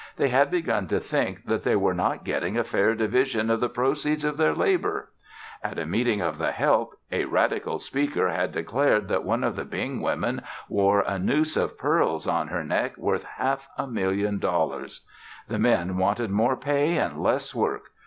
They had begun to think that they were not getting a fair division of the proceeds of their labor. At a meeting of the help, a radical speaker had declared that one of the Bing women wore a noose of pearls on her neck worth half a million dollars. The men wanted more pay and less work.